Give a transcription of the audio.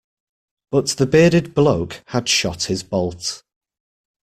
But the bearded bloke had shot his bolt.